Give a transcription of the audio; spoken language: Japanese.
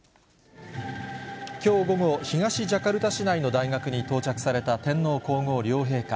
きょう午後、東ジャカルタ市内の大学に到着された天皇皇后両陛下。